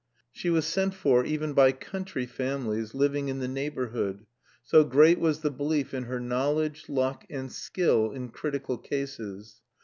She was sent for even by country families living in the neighbourhood, so great was the belief in her knowledge, luck, and skill in critical cases.